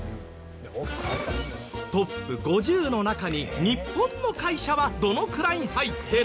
トップ５０の中に日本の会社はどのくらい入ってる？